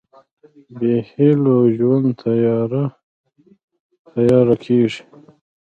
بېهيلو ژوند تیاره کېږي.